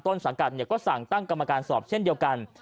สังกัดก็สั่งตั้งกรรมการสอบเช่นเดียวกัน